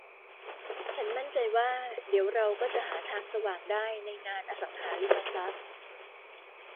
ฉันมั่นใจว่า เดี๋ยวเราก็จะหาทางสว่างได้ในงานอสังหาริมทรัพย์